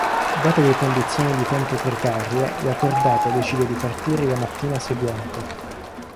Date le condizioni di tempo precarie, la cordata decide di partire la mattina seguente.